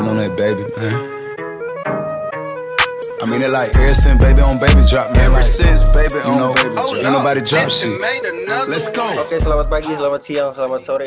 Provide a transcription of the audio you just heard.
oke selamat pagi selamat siang selamat sore